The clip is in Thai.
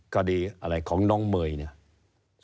คดีอะไรของน้องเมย์เนี่ย